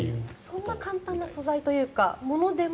そんな簡単な素材というか、ものでも。